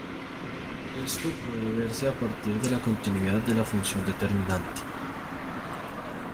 Esto puede verse a partir de la continuidad de la función determinante.